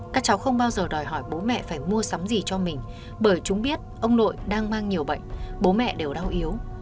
các cháu không bao giờ đòi hỏi bố mẹ phải mua sắm gì cho mình bởi chúng biết ông nội đang mang nhiều bệnh bố mẹ đều đau yếu